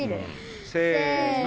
せの！